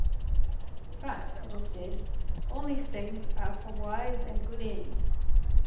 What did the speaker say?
But, it is said, all these things are for wise and good ends.